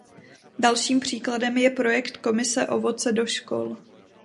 Dalším příkladem je projekt Komise Ovoce do škol.